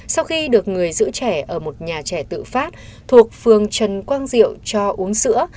sau khi được người giữ trẻ ở một nhà trẻ tự phát thuộc phường trần quang diệu cho uống sữa